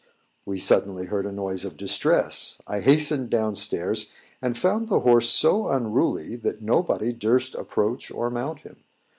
We suddenly heard a noise of distress; I hastened down stairs, and found the horse so unruly, that nobody durst approach or mount him.